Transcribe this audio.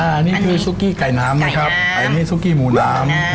อันนี้พี่พันธุ์ทำมาให้